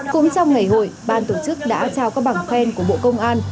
cũng trong ngày hội ban tổ chức đã trao các bảng khen của bộ công an